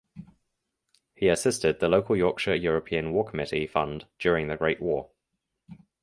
He assisted the local Yorkshire European War Committee Fund during the Great War.